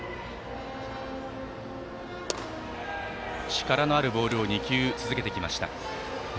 力のあるボールを２球続けました。